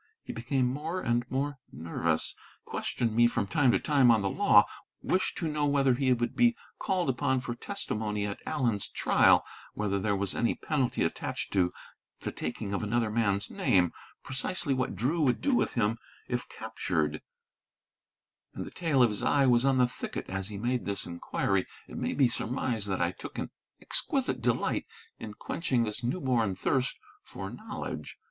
He became more and more nervous; questioned me from time to time on the law; wished to know whether he would be called upon for testimony at Allen's trial; whether there was any penalty attached to the taking of another man's name; precisely what Drew would do with him if captured; and the tail of his eye was on the thicket as he made this inquiry. It may be surmised that I took an exquisite delight in quenching this new born thirst for knowledge.